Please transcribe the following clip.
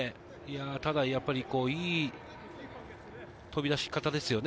ただやっぱり、いい飛び出し方ですね。